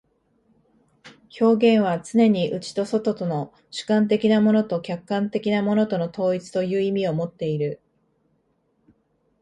表現はつねに内と外との、主観的なものと客観的なものとの統一という意味をもっている。